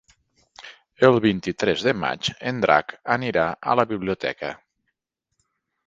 El vint-i-tres de maig en Drac anirà a la biblioteca.